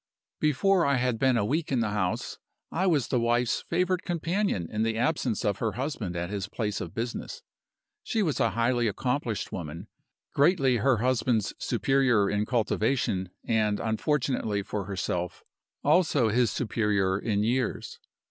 Before I had been a week in the house I was the wife's favorite companion in the absence of her husband at his place of business. She was a highly accomplished woman, greatly her husband's superior in cultivation, and, unfortunately for herself, also his superior in years.